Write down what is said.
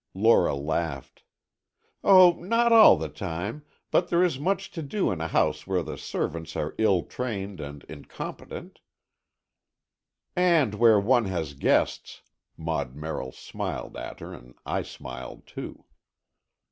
Lora laughed. "Oh, not all the time, but there is much to do in a house where the servants are ill trained and incompetent——" "And where one has guests," Maud Merrill smiled at her, and I smiled, too.